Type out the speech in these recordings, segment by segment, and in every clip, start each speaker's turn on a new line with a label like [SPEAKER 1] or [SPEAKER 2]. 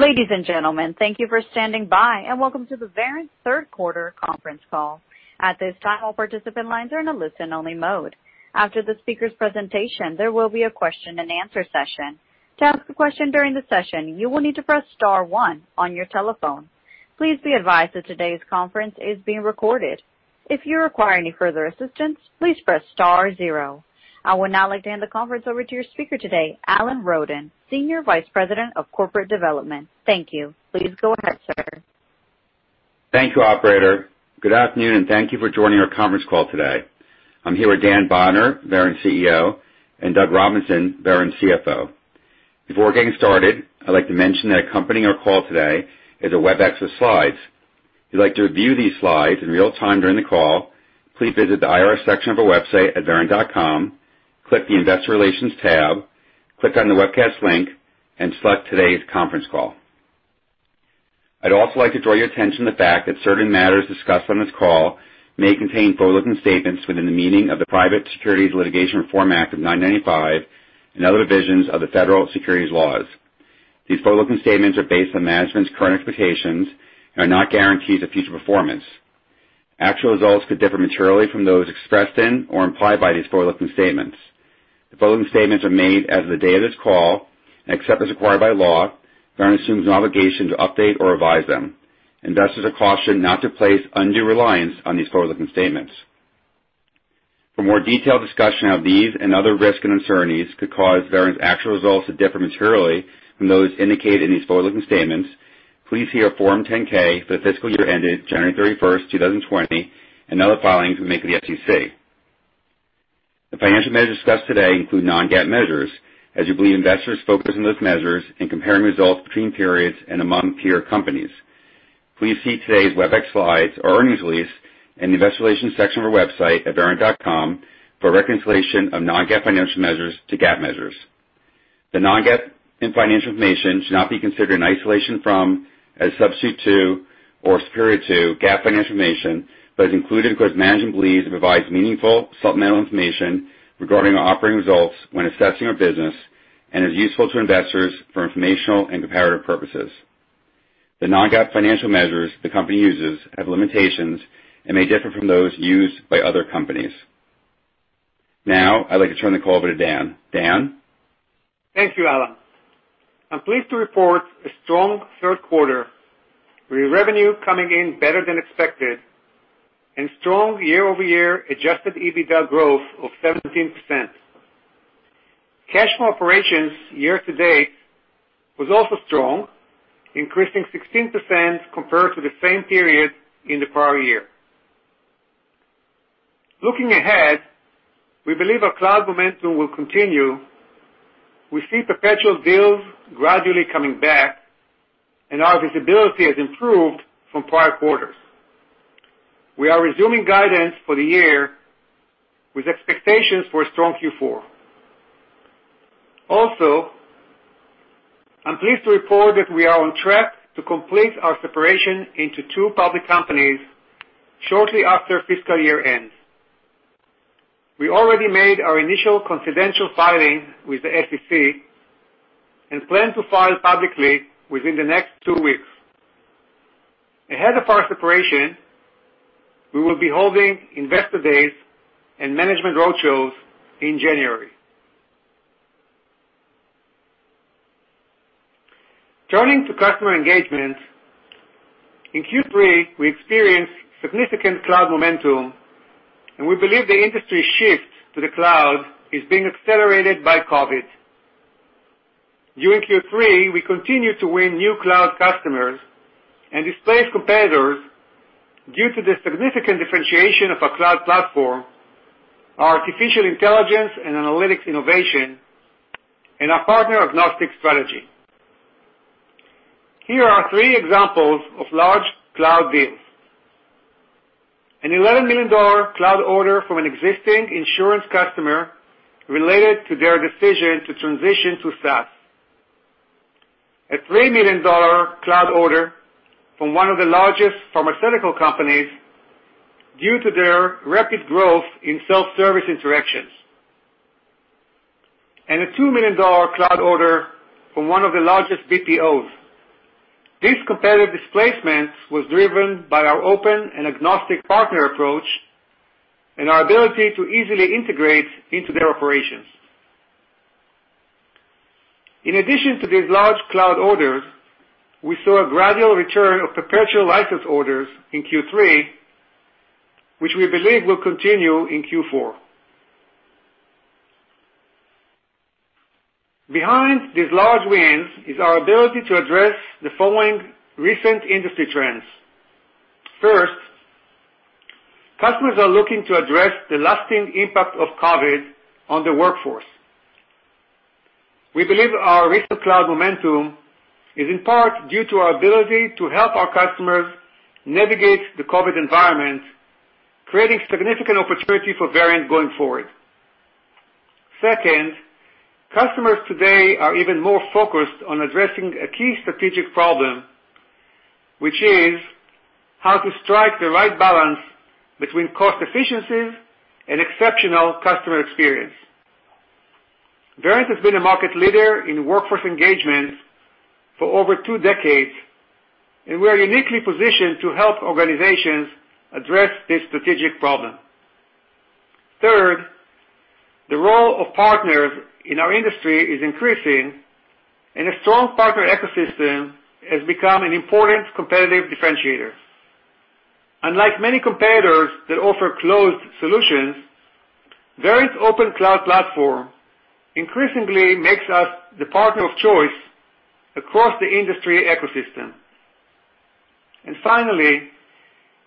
[SPEAKER 1] Ladies and gentlemen, thank you for standing by, and welcome to the Verint Third Quarter Conference Call. At this time, all participant lines are in a listen-only mode. After the speaker's presentation, there will be a question-and-answer session. To ask a question during the session, you will need to press star one on your telephone. Please be advised that today's conference is being recorded. If you require any further assistance, please press star zero. I would now like to hand the conference over to your speaker today, Alan Roden, Senior Vice President of Corporate Development. Thank you. Please go ahead, sir. Thank you, Operator. Good afternoon, and thank you for joining our conference call today. I'm here with Dan Bodner, Verint CEO, and Doug Robinson, Verint CFO. Before getting started, I'd like to mention that accompanying our call today is a Webex with slides. If you'd like to view these slides in real time during the call, please visit the IR section of our website at verint.com, click the Investor Relations tab, click on the webcast link, and select today's conference call. I'd also like to draw your attention to the fact that certain matters discussed on this call may contain forward-looking statements within the meaning of the Private Securities Litigation Reform Act of 1995 and other provisions of the federal securities laws. These forward-looking statements are based on management's current expectations and are not guarantees of future performance. Actual results could differ materially from those expressed in or implied by these forward-looking statements. The forward-looking statements are made as of the day of this call, and except as required by law, Verint assumes no obligation to update or revise them. Investors are cautioned not to place undue reliance on these forward-looking statements. For more detailed discussion of how these and other risks and uncertainties could cause Verint's actual results to differ materially from those indicated in these forward-looking statements, please see our Form 10-K for the fiscal year ended January 31st, 2020, and other filings we make with the SEC. The financial measures discussed today include non-GAAP measures, as we believe investors focus on those measures in comparing results between periods and among peer companies. Please see today's Webex slides or earnings release in the Investor Relations section of our website at verint.com for a reconciliation of non-GAAP financial measures to GAAP measures. The non-GAAP and financial information should not be considered in isolation from, as a substitute to, or superior to, GAAP financial information, but is included because management believes it provides meaningful supplemental information regarding our operating results when assessing our business and is useful to investors for informational and comparative purposes. The non-GAAP financial measures the company uses have limitations and may differ from those used by other companies. Now, I'd like to turn the call over to Dan. Dan.
[SPEAKER 2] Thank you, Alan. I'm pleased to report a strong third quarter with revenue coming in better than expected and strong year-over-year adjusted EBITDA growth of 17%. Cash flow operations year to date was also strong, increasing 16% compared to the same period in the prior year. Looking ahead, we believe our cloud momentum will continue. We see perpetual deals gradually coming back, and our visibility has improved from prior quarters. We are resuming guidance for the year with expectations for a strong Q4. Also, I'm pleased to report that we are on track to complete our separation into two public companies shortly after fiscal year ends. We already made our initial confidential filing with the SEC and plan to file publicly within the next two weeks. Ahead of our separation, we will be holding investor days and management roadshows in January. Turning to customer engagement, in Q3, we experienced significant cloud momentum, and we believe the industry shift to the cloud is being accelerated by COVID. During Q3, we continue to win new cloud customers and displace competitors due to the significant differentiation of our cloud platform, our artificial intelligence and analytics innovation, and our partner-agnostic strategy. Here are three examples of large cloud deals: an $11 million cloud order from an existing insurance customer related to their decision to transition to SaaS; a $3 million cloud order from one of the largest pharmaceutical companies due to their rapid growth in self-service interactions; and a $2 million cloud order from one of the largest BPOs. This competitive displacement was driven by our open and agnostic partner approach and our ability to easily integrate into their operations. In addition to these large cloud orders, we saw a gradual return of perpetual license orders in Q3, which we believe will continue in Q4. Behind these large wins is our ability to address the following recent industry trends. First, customers are looking to address the lasting impact of COVID on the workforce. We believe our recent cloud momentum is in part due to our ability to help our customers navigate the COVID environment, creating significant opportunity for Verint going forward. Second, customers today are even more focused on addressing a key strategic problem, which is how to strike the right balance between cost efficiencies and exceptional customer experience. Verint has been a market leader in workforce engagement for over two decades, and we are uniquely positioned to help organizations address this strategic problem. Third, the role of partners in our industry is increasing, and a strong partner ecosystem has become an important competitive differentiator. Unlike many competitors that offer closed solutions, Verint's open cloud platform increasingly makes us the partner of choice across the industry ecosystem. And finally,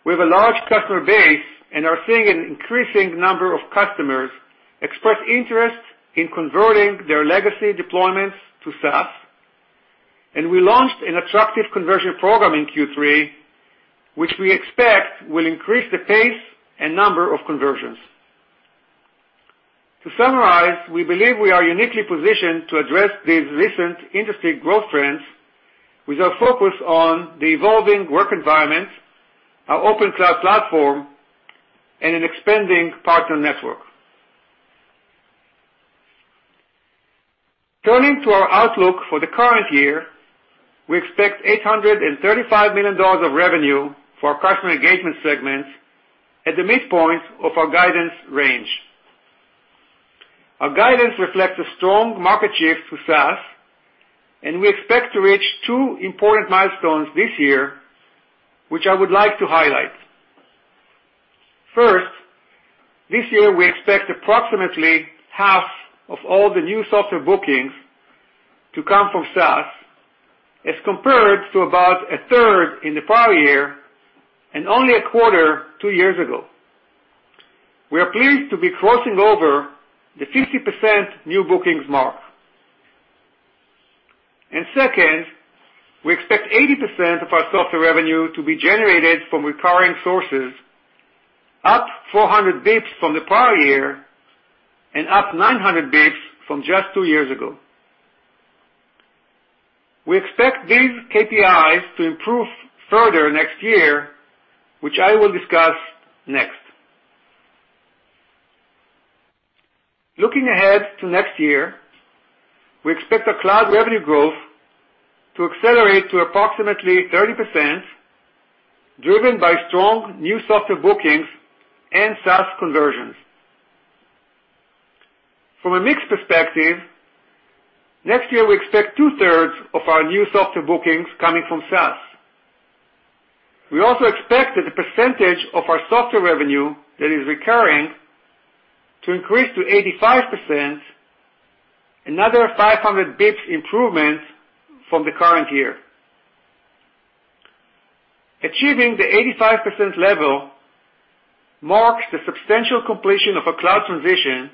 [SPEAKER 2] we have a large customer base and are seeing an increasing number of customers express interest in converting their legacy deployments to SaaS, and we launched an attractive conversion program in Q3, which we expect will increase the pace and number of conversions. To summarize, we believe we are uniquely positioned to address these recent industry growth trends with our focus on the evolving work environment, our open cloud platform, and an expanding partner network. Turning to our outlook for the current year, we expect $835 million of revenue for our customer engagement segments at the midpoint of our guidance range. Our guidance reflects a strong market shift to SaaS, and we expect to reach two important milestones this year, which I would like to highlight. First, this year, we expect approximately half of all the new software bookings to come from SaaS, as compared to about a third in the prior year and only a quarter two years ago. We are pleased to be crossing over the 50% new bookings mark, and second, we expect 80% of our software revenue to be generated from recurring sources, up 400 basis points from the prior year and up 900 basis points from just two years ago. We expect these KPIs to improve further next year, which I will discuss next. Looking ahead to next year, we expect our cloud revenue growth to accelerate to approximately 30%, driven by strong new software bookings and SaaS conversions. From a mixed perspective, next year, we expect 2/3 of our new software bookings coming from SaaS. We also expect that the percentage of our software revenue that is recurring to increase to 85%, another 500 basis points improvement from the current year. Achieving the 85% level marks the substantial completion of a cloud transition,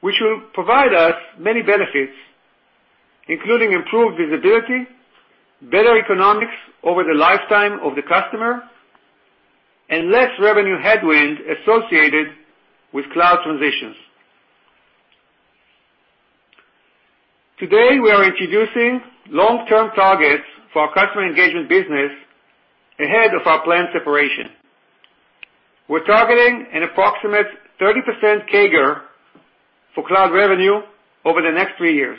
[SPEAKER 2] which will provide us many benefits, including improved visibility, better economics over the lifetime of the customer, and less revenue headwind associated with cloud transitions. Today, we are introducing long-term targets for our customer engagement business ahead of our planned separation. We're targeting an approximate 30% CAGR for cloud revenue over the next three years.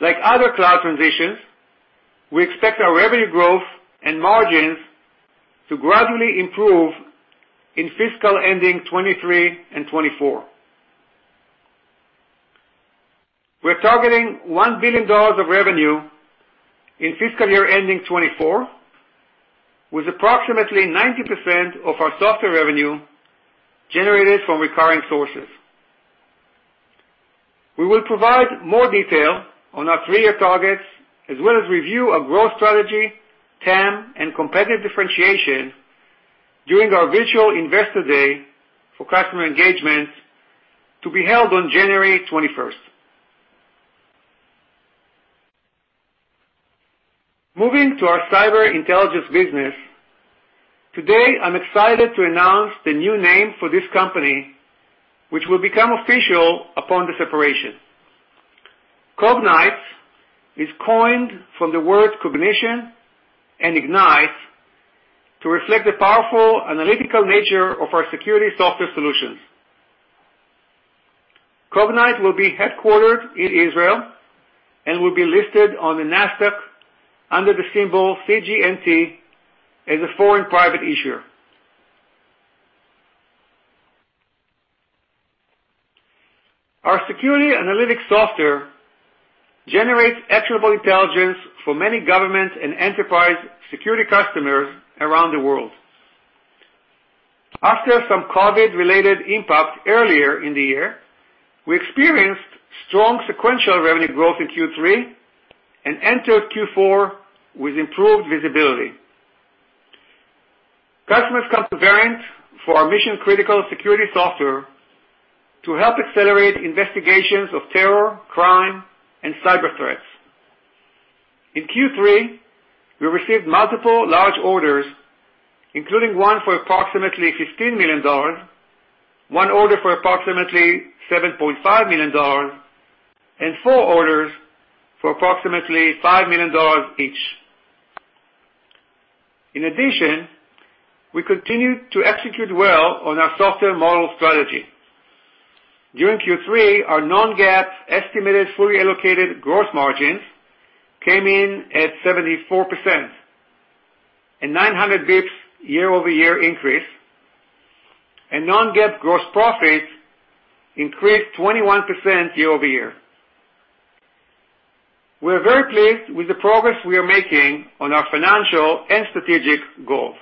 [SPEAKER 2] Like other cloud transitions, we expect our revenue growth and margins to gradually improve in fiscal ending 2023 and 2024. We're targeting $1 billion of revenue in fiscal year ending 2024, with approximately 90% of our software revenue generated from recurring sources. We will provide more detail on our three-year targets, as well as review our growth strategy, TAM, and competitive differentiation during our virtual investor day for customer engagement to be held on January 21st. Moving to our cyber intelligence business, today, I'm excited to announce the new name for this company, which will become official upon the separation. Cognyte is coined from the word cognition and ignite to reflect the powerful analytical nature of our security software solutions. Cognyte will be headquartered in Israel and will be listed on the Nasdaq under the symbol CGNT as a foreign private issuer. Our security analytics software generates actionable intelligence for many government and enterprise security customers around the world. After some COVID-related impact earlier in the year, we experienced strong sequential revenue growth in Q3 and entered Q4 with improved visibility. Customers come to Verint for our mission-critical security software to help accelerate investigations of terror, crime, and cyber threats. In Q3, we received multiple large orders, including one for approximately $15 million, one order for approximately $7.5 million, and four orders for approximately $5 million each. In addition, we continue to execute well on our software model strategy. During Q3, our non-GAAP estimated fully allocated gross margins came in at 74%, a 900 basis points year-over-year increase, and non-GAAP gross profits increased 21% year-over-year. We are very pleased with the progress we are making on our financial and strategic goals.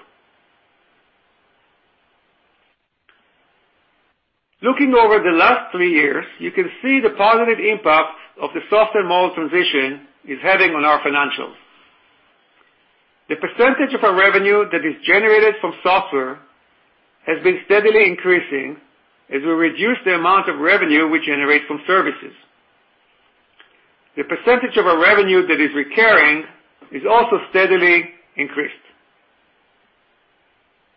[SPEAKER 2] Looking over the last three years, you can see the positive impact of the software model transition is having on our financials. The percentage of our revenue that is generated from software has been steadily increasing as we reduce the amount of revenue we generate from services. The percentage of our revenue that is recurring is also steadily increased.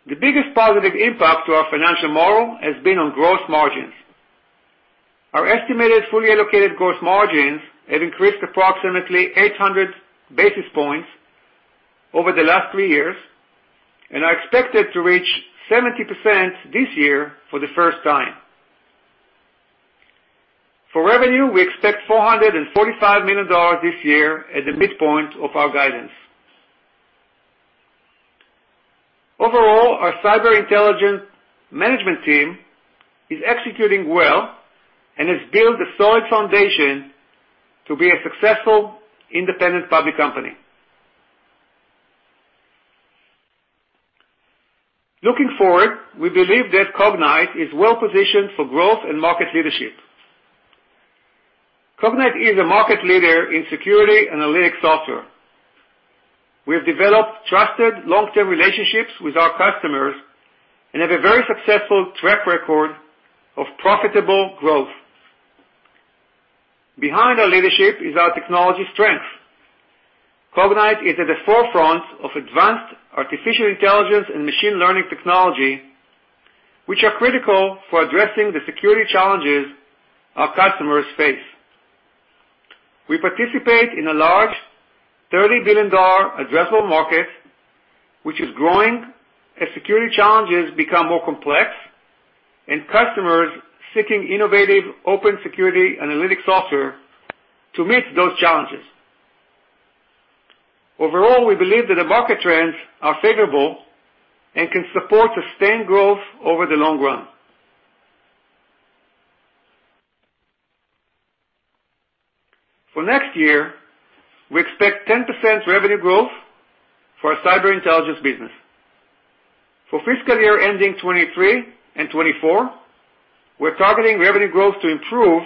[SPEAKER 2] The biggest positive impact to our financial model has been on gross margins. Our estimated fully allocated gross margins have increased approximately 800 basis points over the last three years and are expected to reach 70% this year for the first time. For revenue, we expect $445 million this year at the midpoint of our guidance. Overall, our cyber intelligence management team is executing well and has built a solid foundation to be a successful independent public company. Looking forward, we believe that Cognyte is well positioned for growth and market leadership. Cognyte is a market leader in security analytics software. We have developed trusted long-term relationships with our customers and have a very successful track record of profitable growth. Behind our leadership is our technology strength. Cognyte is at the forefront of advanced artificial intelligence and machine learning technology, which are critical for addressing the security challenges our customers face. We participate in a large $30 billion addressable market, which is growing as security challenges become more complex and customers seeking innovative open security analytics software to meet those challenges. Overall, we believe that the market trends are favorable and can support sustained growth over the long run. For next year, we expect 10% revenue growth for our cyber intelligence business. For fiscal year ending 2023 and 2024, we're targeting revenue growth to improve,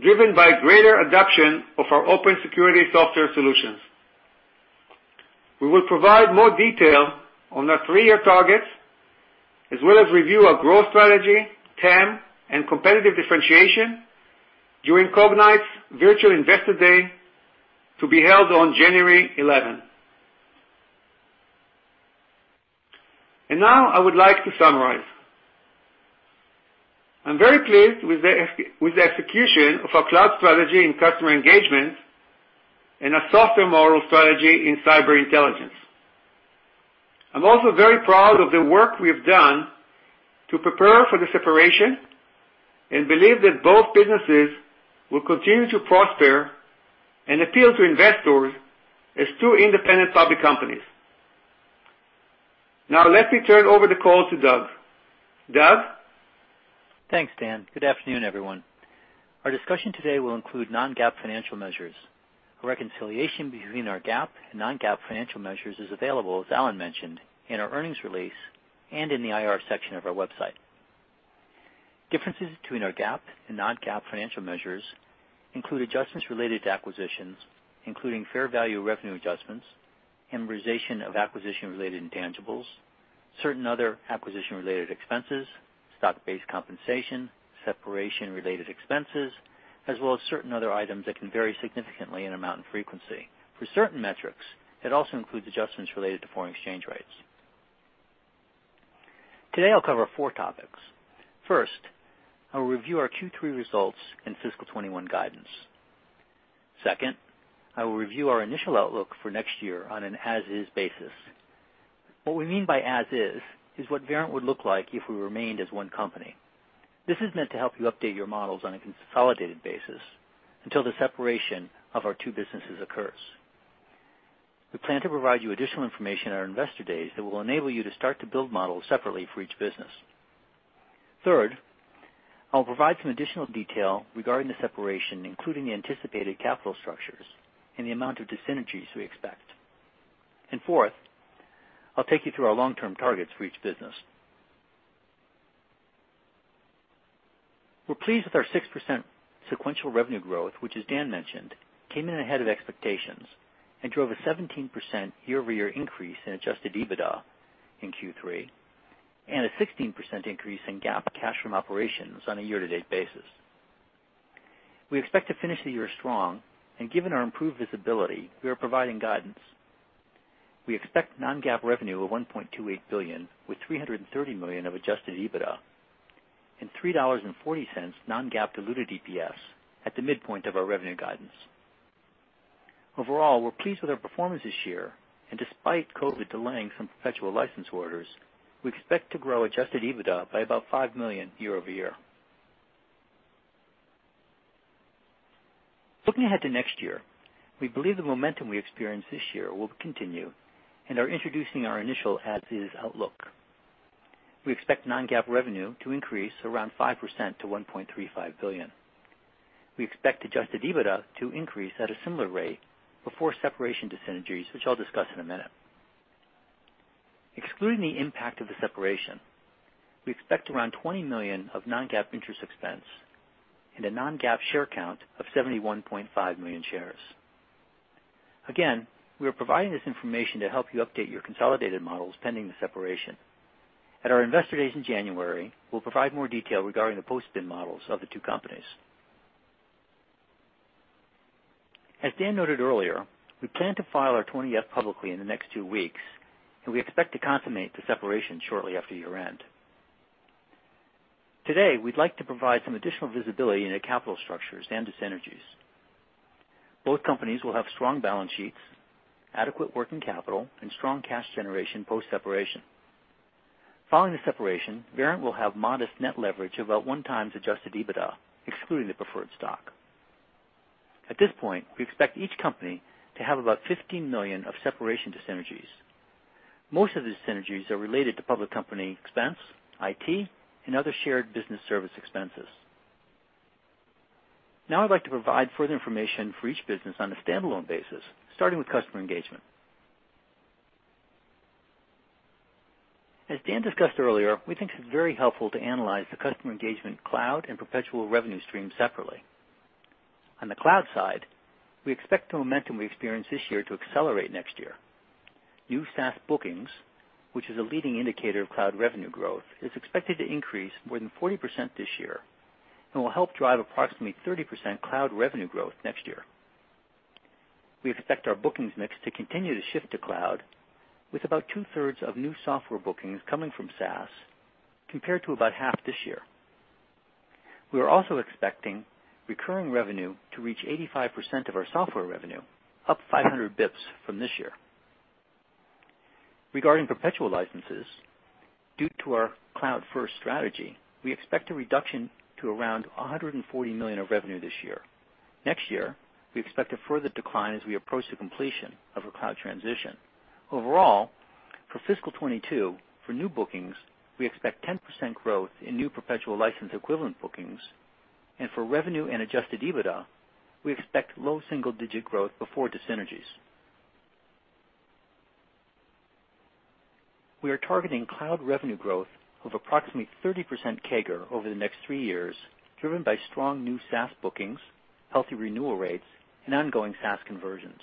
[SPEAKER 2] driven by greater adoption of our open security software solutions. We will provide more detail on our three-year targets, as well as review our growth strategy, TAM, and competitive differentiation during Cognyte's virtual investor day to be held on January 11. And now, I would like to summarize. I'm very pleased with the execution of our cloud strategy in customer engagement and our software model strategy in cyber intelligence. I'm also very proud of the work we have done to prepare for the separation and believe that both businesses will continue to prosper and appeal to investors as two independent public companies. Now, let me turn over the call to Doug. Doug?
[SPEAKER 3] Thanks, Dan. Good afternoon, everyone. Our discussion today will include non-GAAP financial measures. A reconciliation between our GAAP and non-GAAP financial measures is available, as Alan mentioned, in our earnings release and in the IR section of our website. Differences between our GAAP and non-GAAP financial measures include adjustments related to acquisitions, including fair value revenue adjustments, amortization of acquisition-related intangibles, certain other acquisition-related expenses, stock-based compensation, separation-related expenses, as well as certain other items that can vary significantly in amount and frequency. For certain metrics, it also includes adjustments related to foreign exchange rates. Today, I'll cover four topics. First, I will review our Q3 results and fiscal 2021 guidance. Second, I will review our initial outlook for next year on an as-is basis. What we mean by as-is is what Verint would look like if we remained as one company. This is meant to help you update your models on a consolidated basis until the separation of our two businesses occurs. We plan to provide you additional information at our investor days that will enable you to start to build models separately for each business. Third, I will provide some additional detail regarding the separation, including the anticipated capital structures and the amount of dissynergies we expect. And fourth, I'll take you through our long-term targets for each business. We're pleased with our 6% sequential revenue growth, which, as Dan mentioned, came in ahead of expectations and drove a 17% year-over-year increase in adjusted EBITDA in Q3 and a 16% increase in GAAP cash from operations on a year-to-date basis. We expect to finish the year strong, and given our improved visibility, we are providing guidance. We expect non-GAAP revenue of $1.28 billion, with $330 million of adjusted EBITDA, and $3.40 non-GAAP diluted EPS at the midpoint of our revenue guidance. Overall, we're pleased with our performance this year, and despite COVID delaying some perpetual license orders, we expect to grow adjusted EBITDA by about $5 million year-over-year. Looking ahead to next year, we believe the momentum we experienced this year will continue and are introducing our initial as-is outlook. We expect non-GAAP revenue to increase around 5% to $1.35 billion. We expect adjusted EBITDA to increase at a similar rate before separation dissynergies, which I'll discuss in a minute. Excluding the impact of the separation, we expect around $20 million of non-GAAP interest expense and a non-GAAP share count of 71.5 million shares. Again, we are providing this information to help you update your consolidated models pending the separation. At our investor days in January, we'll provide more detail regarding the post-split models of the two companies. As Dan noted earlier, we plan to file our Form 20-F publicly in the next two weeks, and we expect to consummate the separation shortly after year-end. Today, we'd like to provide some additional visibility into capital structures and dissynergies. Both companies will have strong balance sheets, adequate working capital, and strong cash generation post-separation. Following the separation, Verint will have modest net leverage of about one times adjusted EBITDA, excluding the preferred stock. At this point, we expect each company to have about $15 million of separation dissynergies. Most of the dissynergies are related to public company expense, IT, and other shared business service expenses. Now, I'd like to provide further information for each business on a standalone basis, starting with customer engagement. As Dan discussed earlier, we think it's very helpful to analyze the customer engagement cloud and perpetual revenue stream separately. On the cloud side, we expect the momentum we experienced this year to accelerate next year. New SaaS bookings, which is a leading indicator of cloud revenue growth, is expected to increase more than 40% this year and will help drive approximately 30% cloud revenue growth next year. We expect our bookings mix to continue to shift to cloud, with about two-thirds of new software bookings coming from SaaS compared to about half this year. We are also expecting recurring revenue to reach 85% of our software revenue, up 500 basis points from this year. Regarding perpetual licenses, due to our cloud-first strategy, we expect a reduction to around $140 million of revenue this year. Next year, we expect a further decline as we approach the completion of our cloud transition. Overall, for fiscal 2022, for new bookings, we expect 10% growth in new perpetual license equivalent bookings, and for revenue and adjusted EBITDA, we expect low single-digit growth before dissynergies. We are targeting cloud revenue growth of approximately 30% CAGR over the next three years, driven by strong new SaaS bookings, healthy renewal rates, and ongoing SaaS conversions.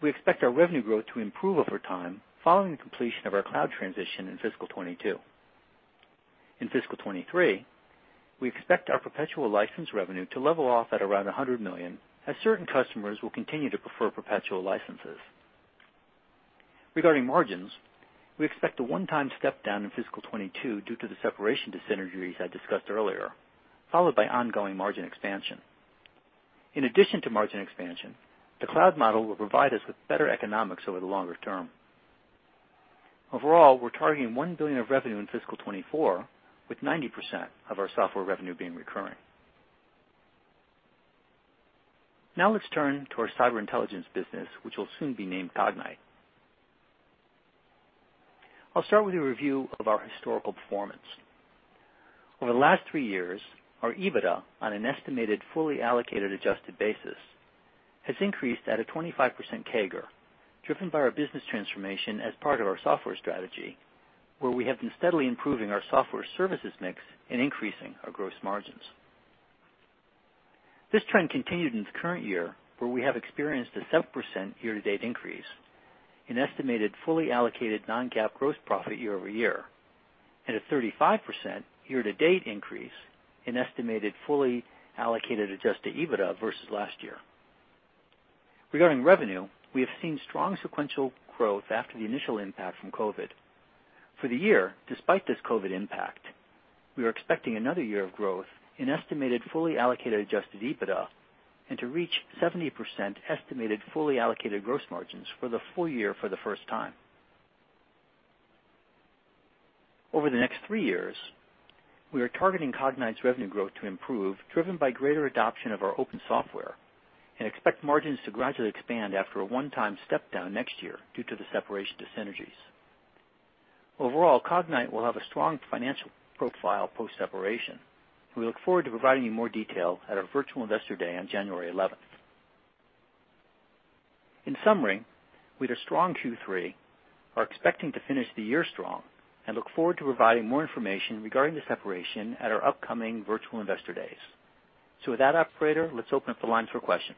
[SPEAKER 3] We expect our revenue growth to improve over time following the completion of our cloud transition in fiscal 2022. In fiscal 2023, we expect our perpetual license revenue to level off at around $100 million, as certain customers will continue to prefer perpetual licenses. Regarding margins, we expect a one-time step down in fiscal 2022 due to the separation dissynergies I discussed earlier, followed by ongoing margin expansion. In addition to margin expansion, the cloud model will provide us with better economics over the longer term. Overall, we're targeting $1 billion of revenue in fiscal 2024, with 90% of our software revenue being recurring. Now, let's turn to our cyber intelligence business, which will soon be named Cognyte. I'll start with a review of our historical performance. Over the last three years, our EBITDA, on an estimated fully allocated adjusted basis, has increased at a 25% CAGR, driven by our business transformation as part of our software strategy, where we have been steadily improving our software services mix and increasing our gross margins. This trend continued in the current year, where we have experienced a 7% year-to-date increase in estimated fully allocated non-GAAP gross profit year-over-year and a 35% year-to-date increase in estimated fully allocated adjusted EBITDA versus last year. Regarding revenue, we have seen strong sequential growth after the initial impact from COVID. For the year, despite this COVID-19 impact, we are expecting another year of growth in estimated fully allocated adjusted EBITDA and to reach 70% estimated fully allocated gross margins for the full year for the first time. Over the next three years, we are targeting Cognyte's revenue growth to improve, driven by greater adoption of our open software, and expect margins to gradually expand after a one-time step down next year due to the separation dissynergies. Overall, Cognyte will have a strong financial profile post-separation, and we look forward to providing you more detail at our virtual investor day on January 11. In summary, with a strong Q3, we are expecting to finish the year strong and look forward to providing more information regarding the separation at our upcoming virtual investor days. So, with that, operator, let's open up the lines for questions.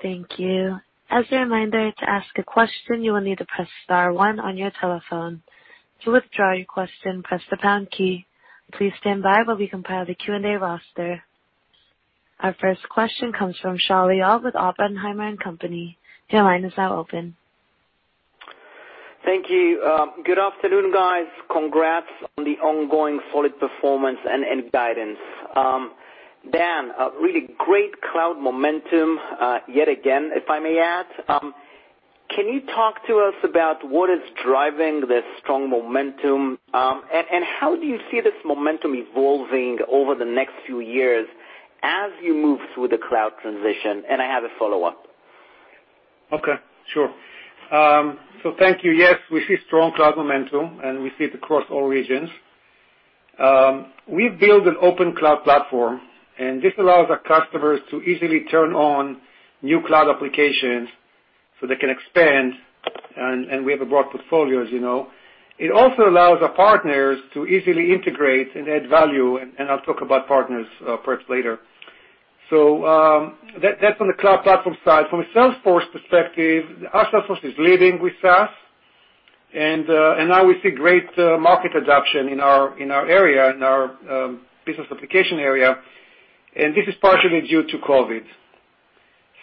[SPEAKER 1] Thank you. As a reminder, to ask a question, you will need to press star one on your telephone. To withdraw your question, press the pound key. Please stand by while we compile the Q&A roster. Our first question comes from Shaul Eyal with Oppenheimer & Co. Your line is now open.
[SPEAKER 4] Thank you. Good afternoon, guys. Congrats on the ongoing solid performance and guidance. Dan, really great cloud momentum yet again, if I may add. Can you talk to us about what is driving this strong momentum, and how do you see this momentum evolving over the next few years as you move through the cloud transition? And I have a follow-up.
[SPEAKER 2] Okay. Sure. So, thank you. Yes, we see strong cloud momentum, and we see it across all regions. We've built an open cloud platform, and this allows our customers to easily turn on new cloud applications so they can expand, and we have a broad portfolio, as you know. It also allows our partners to easily integrate and add value, and I'll talk about partners perhaps later. So, that's on the cloud platform side. From a Salesforce perspective, our Salesforce is leading with SaaS, and now we see great market adoption in our area, in our business application area, and this is partially due to COVID.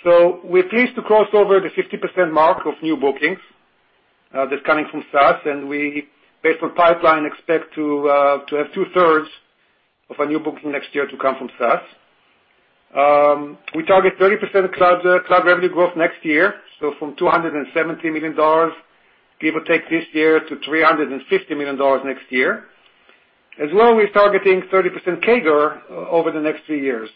[SPEAKER 2] So, we're pleased to cross over the 50% mark of new bookings that's coming from SaaS, and we, based on pipeline, expect to have two-thirds of our new booking next year to come from SaaS. We target 30% cloud revenue growth next year, so from $270 million, give or take, this year to $350 million next year. As well, we're targeting 30% CAGR over the next three years.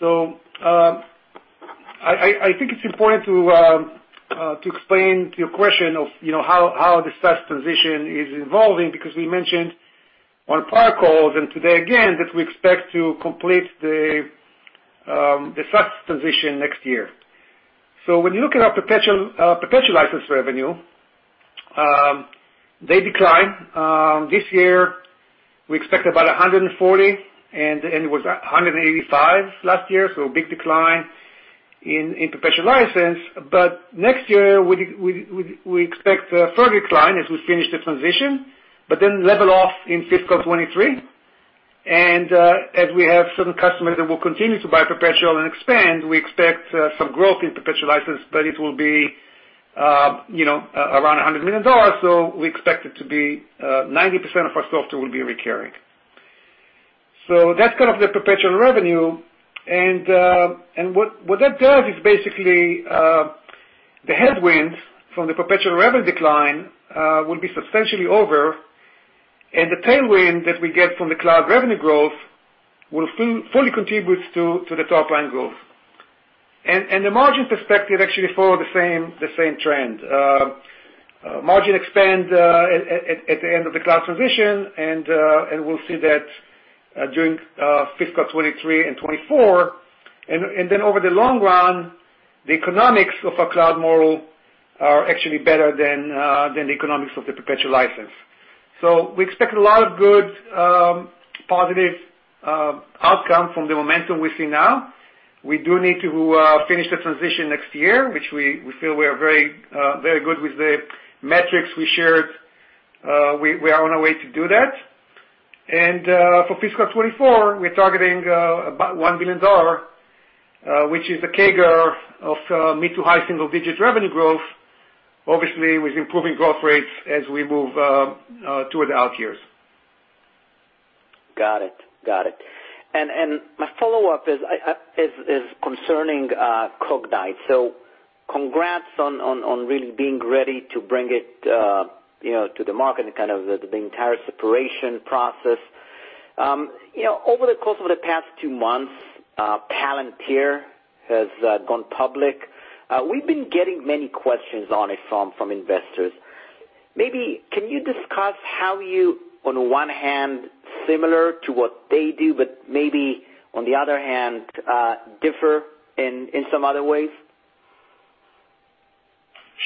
[SPEAKER 2] I think it's important to explain to your question of how the SaaS transition is evolving because we mentioned on prior calls and today again that we expect to complete the SaaS transition next year. When you look at our perpetual license revenue, they declined. This year, we expect about $140 million, and it was $185 million last year, so a big decline in perpetual license. But next year, we expect a further decline as we finish the transition, but then level off in fiscal 2023. As we have some customers that will continue to buy perpetual and expand, we expect some growth in perpetual license, but it will be around $100 million, so we expect it to be 90% of our software will be recurring. That's kind of the perpetual revenue, and what that does is basically the headwind from the perpetual revenue decline will be substantially over, and the tailwind that we get from the cloud revenue growth will fully contribute to the top-line growth. The margin perspective actually follows the same trend. Margin expands at the end of the cloud transition, and we'll see that during fiscal 2023 and 2024. Over the long run, the economics of our cloud model are actually better than the economics of the perpetual license. We expect a lot of good positive outcomes from the momentum we see now. We do need to finish the transition next year, which we feel we are very good with the metrics we shared. We are on our way to do that. And for fiscal 2024, we're targeting about $1 billion, which is the CAGR of mid to high single-digit revenue growth, obviously with improving growth rates as we move toward the out years.
[SPEAKER 4] Got it. Got it. My follow-up is concerning Cognyte. Congrats on really being ready to bring it to the market and kind of the entire separation process. Over the course of the past two months, Palantir has gone public. We've been getting many questions on it from investors. Maybe can you discuss how you, on the one hand, similar to what they do, but maybe on the other hand, differ in some other ways?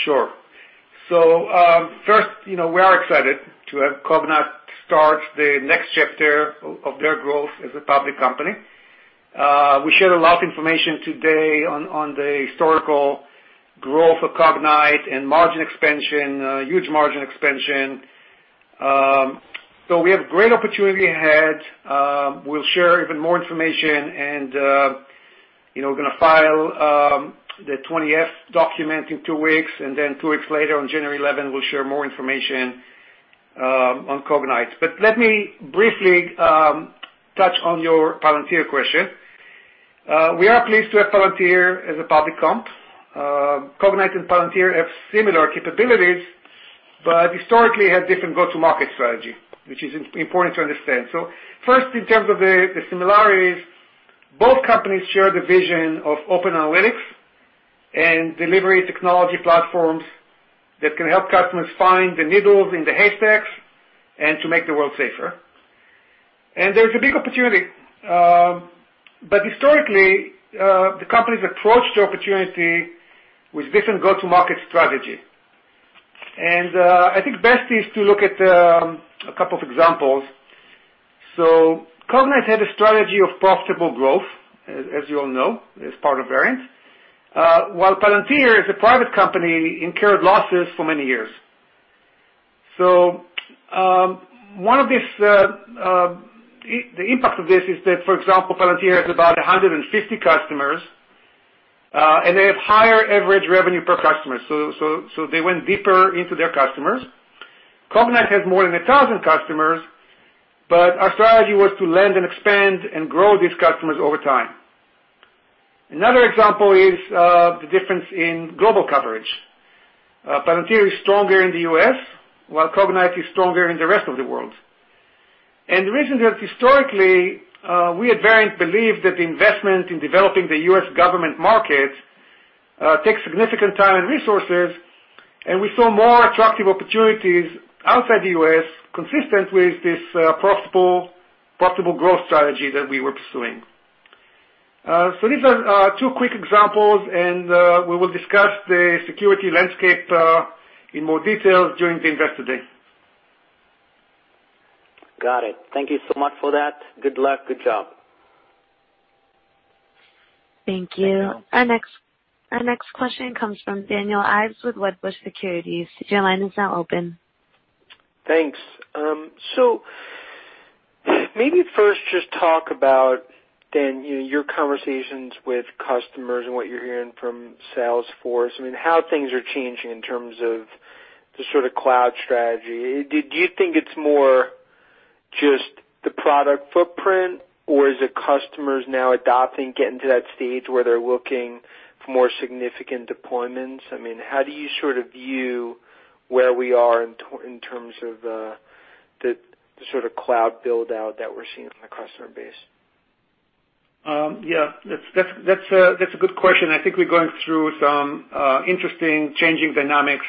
[SPEAKER 2] Sure. So, first, we are excited to have Cognyte start the next chapter of their growth as a public company. We shared a lot of information today on the historical growth of Cognyte and margin expansion, huge margin expansion. So, we have great opportunity ahead. We'll share even more information, and we're going to file the 20-F document in two weeks, and then two weeks later, on January 11, we'll share more information on Cognyte. But let me briefly touch on your Palantir question. We are pleased to have Palantir as a public company. Cognyte and Palantir have similar capabilities, but historically had different go-to-market strategy, which is important to understand. So, first, in terms of the similarities, both companies share the vision of open analytics and delivery technology platforms that can help customers find the needles in the haystacks and to make the world safer. And there's a big opportunity. But historically, the companies approached the opportunity with different go-to-market strategy. And I think best is to look at a couple of examples. So, Cognyte had a strategy of profitable growth, as you all know, as part of Verint, while Palantir is a private company incurred losses for many years. So, one of the impacts of this is that, for example, Palantir has about 150 customers, and they have higher average revenue per customer, so they went deeper into their customers. Cognyte has more than 1,000 customers, but our strategy was to land and expand and grow these customers over time. Another example is the difference in global coverage. Palantir is stronger in the U.S., while Cognyte is stronger in the rest of the world. The reason is that historically, we at Verint believed that the investment in developing the U.S. government market takes significant time and resources, and we saw more attractive opportunities outside the U.S. consistent with this profitable growth strategy that we were pursuing. These are two quick examples, and we will discuss the security landscape in more detail during the investor day.
[SPEAKER 4] Got it. Thank you so much for that. Good luck. Good job.
[SPEAKER 1] Thank you. Our next question comes from Daniel Ives with Wedbush Securities. Your line is now open.
[SPEAKER 5] Thanks. So, maybe first just talk about, Dan, your conversations with customers and what you're hearing from Salesforce, I mean, how things are changing in terms of the sort of cloud strategy. Do you think it's more just the product footprint, or is it customers now adopting, getting to that stage where they're looking for more significant deployments? I mean, how do you sort of view where we are in terms of the sort of cloud buildout that we're seeing on the customer base?
[SPEAKER 2] Yeah. That's a good question. I think we're going through some interesting changing dynamics.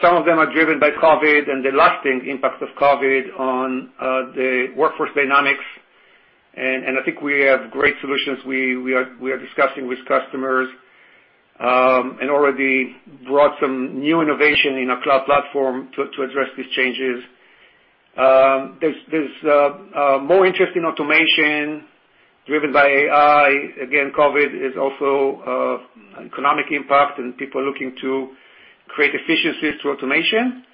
[SPEAKER 2] Some of them are driven by COVID and the lasting impacts of COVID on the workforce dynamics, and I think we have great solutions we are discussing with customers and already brought some new innovation in our cloud platform to address these changes. There's more interest in automation driven by AI. Again, COVID is also an economic impact, and people are looking to create efficiencies through automation,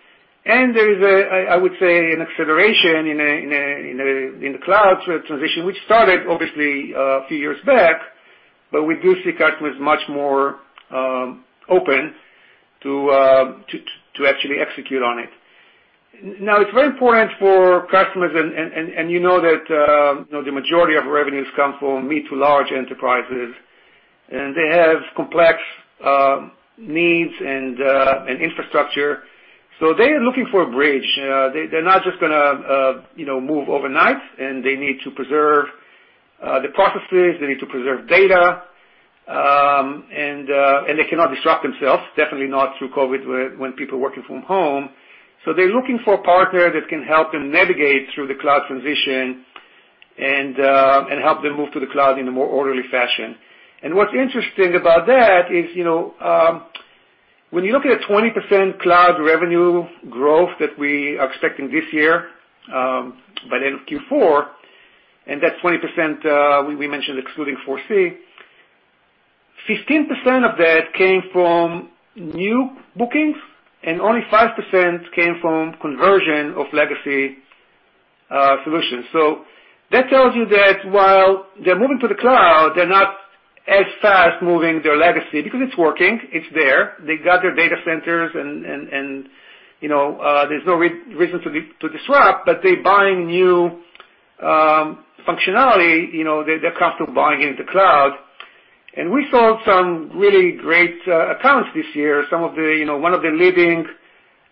[SPEAKER 2] and there is, I would say, an acceleration in the cloud transition, which started obviously a few years back, but we do see customers much more open to actually execute on it. Now, it's very important for customers, and you know that the majority of revenues come from mid to large enterprises, and they have complex needs and infrastructure, so they are looking for a bridge. They're not just going to move overnight, and they need to preserve the processes. They need to preserve data, and they cannot disrupt themselves, definitely not through COVID when people are working from home. So, they're looking for a partner that can help them navigate through the cloud transition and help them move to the cloud in a more orderly fashion. And what's interesting about that is when you look at the 20% cloud revenue growth that we are expecting this year by the end of Q4, and that 20%, we mentioned excluding ForeSee, 15% of that came from new bookings, and only 5% came from conversion of legacy solutions. So, that tells you that while they're moving to the cloud, they're not as fast moving their legacy because it's working. It's there. They got their data centers, and there's no reason to disrupt, but they're buying new functionality. They're comfortable buying into the cloud, and we sold some really great accounts this year, some of the one of the leading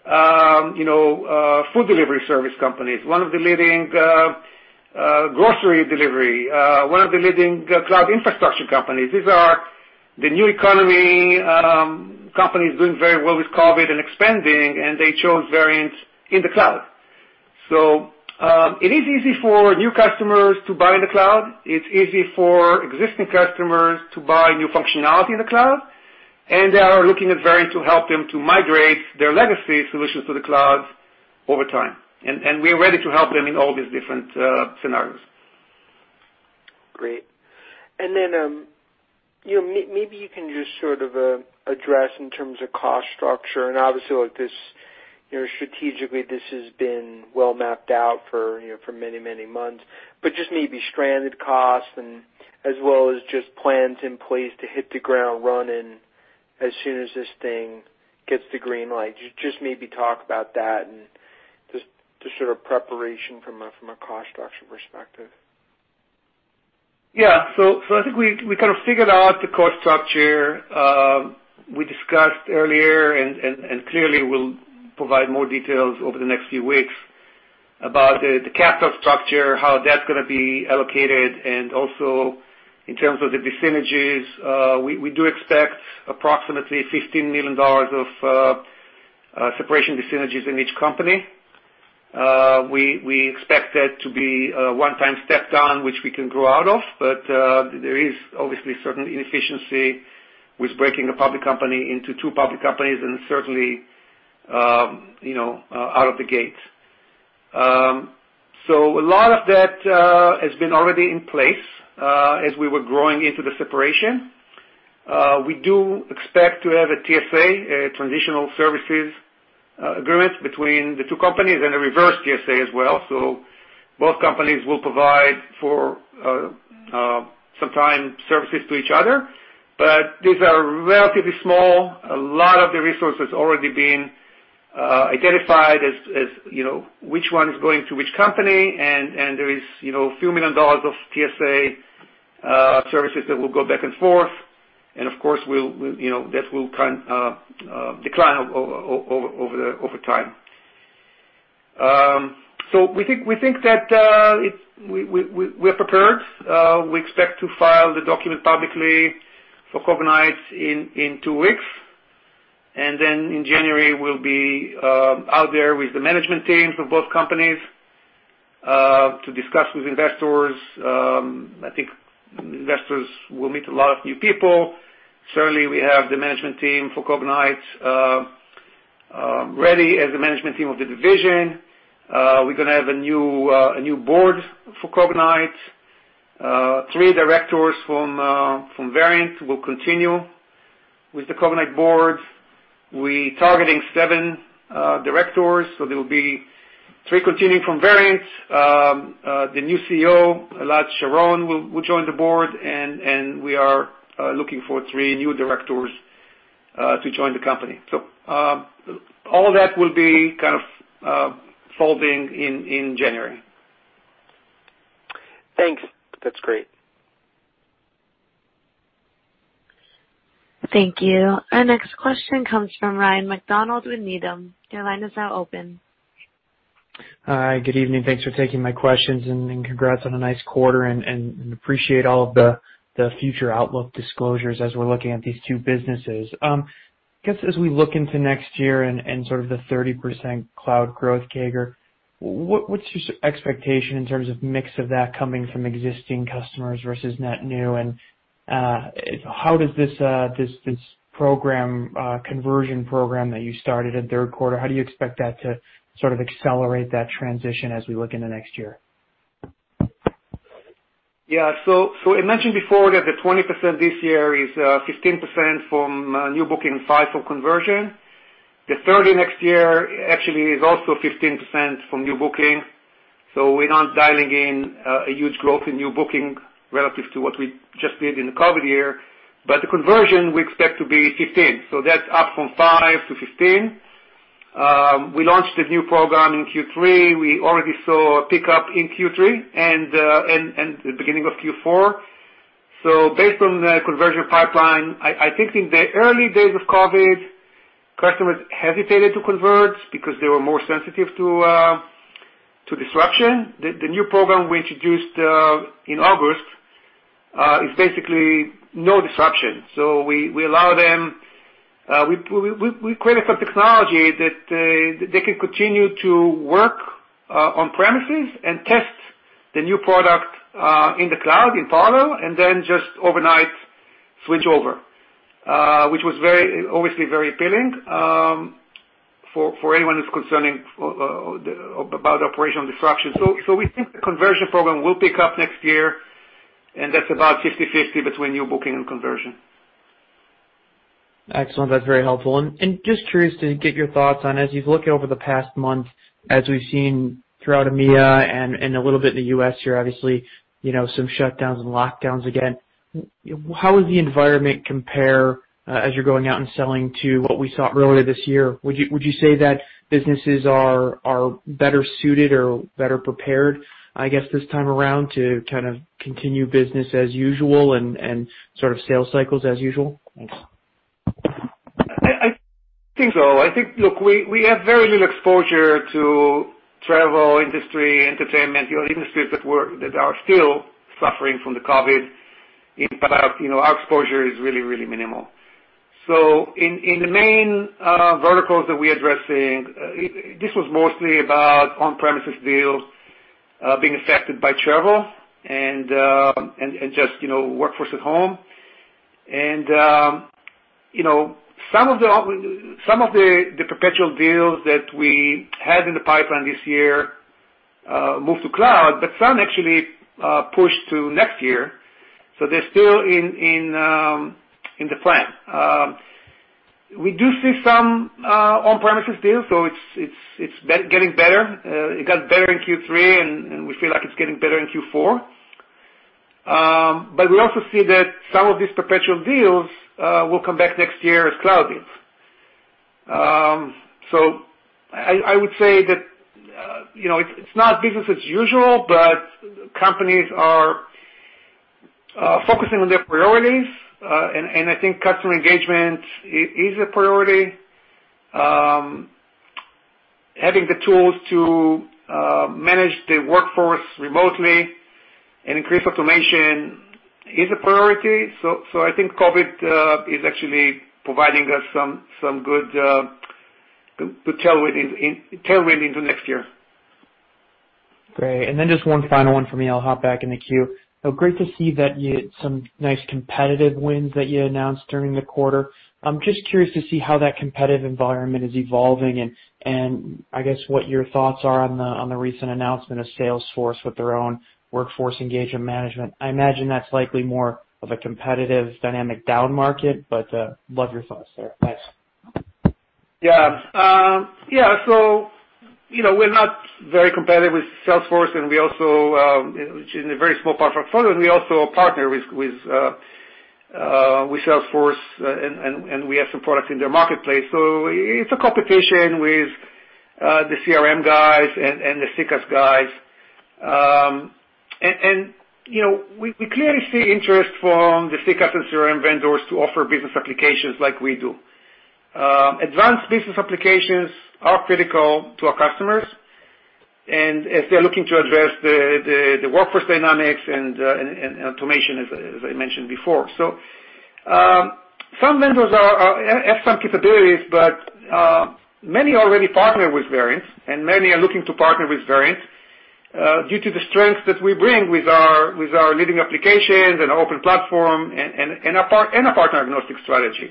[SPEAKER 2] food delivery service companies, one of the leading grocery delivery, one of the leading cloud infrastructure companies. These are the new economy companies doing very well with COVID and expanding, and they chose Verint in the cloud, so it is easy for new customers to buy in the cloud. It's easy for existing customers to buy new functionality in the cloud, and they are looking at Verint to help them to migrate their legacy solutions to the cloud over time, and we're ready to help them in all these different scenarios.
[SPEAKER 5] Great. And then maybe you can just sort of address in terms of cost structure. And obviously, strategically, this has been well mapped out for many, many months, but just maybe stranded costs as well as just plans in place to hit the ground running as soon as this thing gets the green light. Just maybe talk about that and the sort of preparation from a cost structure perspective.
[SPEAKER 2] Yeah. So, I think we kind of figured out the cost structure we discussed earlier, and clearly we'll provide more details over the next few weeks about the capital structure, how that's going to be allocated, and also in terms of the synergies. We do expect approximately $15 million of separation synergies in each company. We expect that to be a one-time step down, which we can grow out of, but there is obviously certain inefficiency with breaking a public company into two public companies and certainly out of the gate. So, a lot of that has been already in place as we were growing into the separation. We do expect to have a TSA, a transitional services agreement, between the two companies and a reverse TSA as well. So, both companies will provide for some time services to each other, but these are relatively small. A lot of the resources have already been identified as which one is going to which company, and there is a few million dollars of TSA services that will go back and forth. And of course, that will decline over time. So, we think that we are prepared. We expect to file the document publicly for Cognyte in two weeks. And then in January, we'll be out there with the management teams of both companies to discuss with investors. I think investors will meet a lot of new people. Certainly, we have the management team for Cognyte ready as the management team of the division. We're going to have a new board for Cognyte. Three directors from Verint will continue with the Cognyte board. We are targeting seven directors, so there will be three continuing from Verint. The new CEO, Elad Sharon, will join the board, and we are looking for three new directors to join the company, so all that will be kind of folding in January.
[SPEAKER 5] Thanks. That's great.
[SPEAKER 1] Thank you. Our next question comes from Ryan MacDonald with Needham. Your line is now open.
[SPEAKER 6] Hi. Good evening. Thanks for taking my questions, and congrats on a nice quarter, and appreciate all of the future outlook disclosures as we're looking at these two businesses. I guess as we look into next year and sort of the 30% cloud growth CAGR, what's your expectation in terms of mix of that coming from existing customers versus net new? And how does this program, conversion program that you started in third quarter, how do you expect that to sort of accelerate that transition as we look into next year?
[SPEAKER 2] Yeah. So, I mentioned before that the 20% this year is 15% from new booking and 5% from conversion. The third in next year actually is also 15% from new booking. So, we're not dialing in a huge growth in new booking relative to what we just did in the COVID year, but the conversion we expect to be 15%. So, that's up from 5% to 15%. We launched the new program in Q3. We already saw a pickup in Q3 and the beginning of Q4. So, based on the conversion pipeline, I think in the early days of COVID, customers hesitated to convert because they were more sensitive to disruption. The new program we introduced in August is basically no disruption. We allow them. We created some technology that they can continue to work on premises and test the new product in the cloud in parallel and then just overnight switch over, which was obviously very appealing for anyone who's concerned about operational disruption. We think the conversion program will pick up next year, and that's about 50/50 between new booking and conversion.
[SPEAKER 6] Excellent. That's very helpful, and just curious to get your thoughts on, as you've looked over the past month, as we've seen throughout EMEA and a little bit in the U.S., there are obviously some shutdowns and lockdowns again. How does the environment compare as you're going out and selling to what we saw earlier this year? Would you say that businesses are better suited or better prepared, I guess, this time around to kind of continue business as usual and sort of sales cycles as usual? Thanks.
[SPEAKER 2] I think so. I think, look, we have very little exposure to travel, industry, entertainment, the industries that are still suffering from the COVID impact. Our exposure is really, really minimal. So, in the main verticals that we're addressing, this was mostly about on-premises deals being affected by travel and just workforce at home. And some of the perpetual deals that we had in the pipeline this year moved to cloud, but some actually pushed to next year. So, they're still in the plan. We do see some on-premises deals, so it's getting better. It got better in Q3, and we feel like it's getting better in Q4. But we also see that some of these perpetual deals will come back next year as cloud deals. So, I would say that it's not business as usual, but companies are focusing on their priorities, and I think customer engagement is a priority. Having the tools to manage the workforce remotely and increase automation is a priority. So, I think COVID is actually providing us some good tailwind into next year.
[SPEAKER 6] Great. And then just one final one from me. I'll hop back in the queue. Great to see that you had some nice competitive wins that you announced during the quarter. I'm just curious to see how that competitive environment is evolving and, I guess, what your thoughts are on the recent announcement of Salesforce with their own workforce engagement management. I imagine that's likely more of a competitive dynamic down market, but love your thoughts there. Thanks.
[SPEAKER 2] Yeah. Yeah. So, we're not very competitive with Salesforce, and we also in a very small part of our portfolio, and we also partner with Salesforce, and we have some products in their marketplace. So, it's a competition with the CRM guys and the CCaaS guys. And we clearly see interest from the CCaaS and CRM vendors to offer business applications like we do. Advanced business applications are critical to our customers, and they're looking to address the workforce dynamics and automation, as I mentioned before. So, some vendors have some capabilities, but many already partner with Verint, and many are looking to partner with Verint due to the strength that we bring with our leading applications and open platform and our partner agnostic strategy.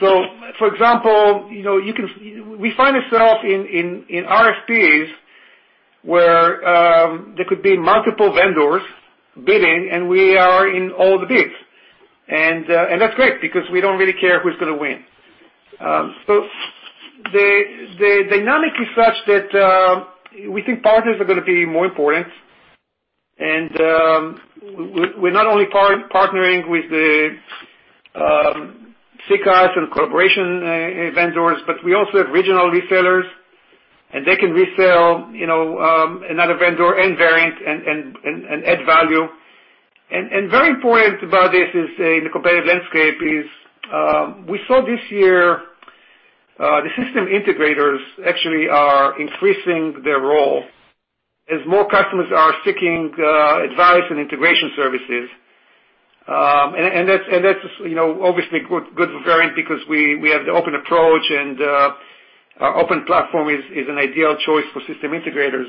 [SPEAKER 2] So, for example, we find ourselves in RFPs where there could be multiple vendors bidding, and we are in all the bids. And that's great because we don't really care who's going to win. So, the dynamic is such that we think partners are going to be more important, and we're not only partnering with the CCaaS and collaboration vendors, but we also have regional resellers, and they can resell another vendor and Verint and add value. And very important about this is, in the competitive landscape, we saw this year the system integrators actually are increasing their role as more customers are seeking advice and integration services. And that's obviously good for Verint because we have the open approach, and our open platform is an ideal choice for system integrators.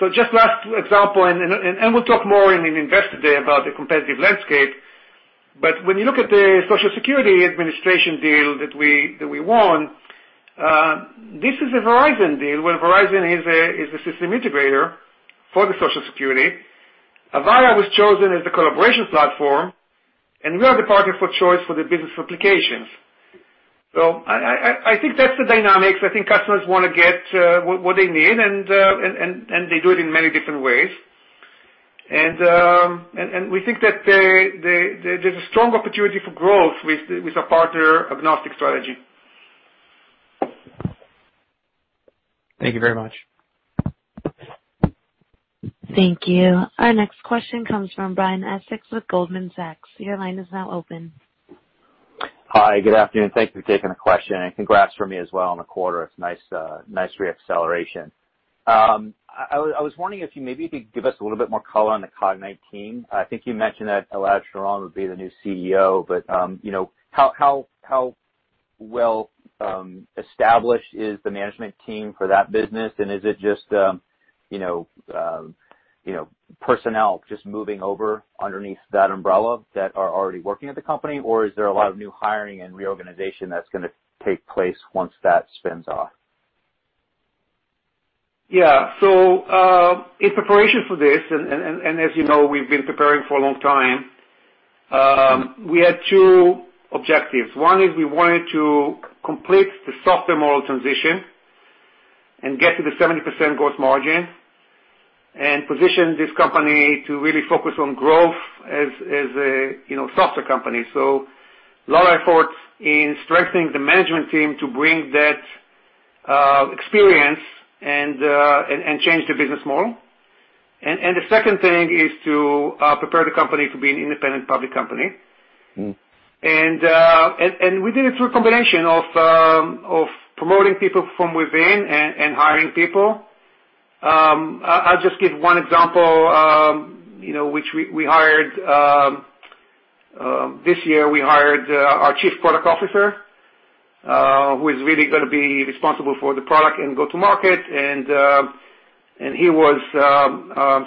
[SPEAKER 2] So, just last example, and we'll talk more in investor day about the competitive landscape, but when you look at the Social Security Administration deal that we won, this is a Verizon deal where Verizon is the system integrator for the Social Security Administration. Avaya was chosen as the collaboration platform, and we are the partner for choice for the business applications. So, I think that's the dynamics. I think customers want to get what they need, and they do it in many different ways. And we think that there's a strong opportunity for growth with a partner agnostic strategy.
[SPEAKER 6] Thank you very much.
[SPEAKER 1] Thank you. Our next question comes from Brian Essex with Goldman Sachs. Your line is now open.
[SPEAKER 7] Hi. Good afternoon. Thank you for taking the question, and congrats for me as well in the quarter. It's a nice reacceleration. I was wondering if you maybe could give us a little bit more color on the Cognyte team. I think you mentioned that Elad Sharon would be the new CEO, but how well established is the management team for that business? And is it just personnel moving over underneath that umbrella that are already working at the company, or is there a lot of new hiring and reorganization that's going to take place once that spins off?
[SPEAKER 2] Yeah. So, in preparation for this, and as you know, we've been preparing for a long time, we had two objectives. One is we wanted to complete the software model transition and get to the 70% gross margin and position this company to really focus on growth as a software company. So, a lot of effort in strengthening the management team to bring that experience and change the business model. And the second thing is to prepare the company to be an independent public company. And we did a true combination of promoting people from within and hiring people. I'll just give one example, which we hired this year. We hired our Chief Product Officer, who is really going to be responsible for the product and go-to-market. And